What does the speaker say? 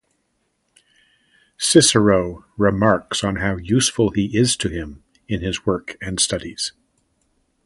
Cicero remarks on how useful he is to him in his work and studies.